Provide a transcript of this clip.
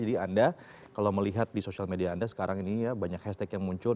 jadi anda kalau melihat di social media anda sekarang ini ya banyak hashtag yang muncul